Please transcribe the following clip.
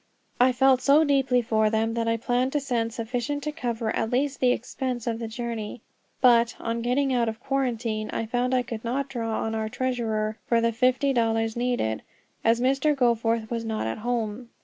I felt so deeply for them that I planned to send sufficient to cover at least the expense of the journey. But, on getting out of quarantine, I found I could not draw on our treasurer for the fifty dollars needed, as Mr. Goforth was not at home.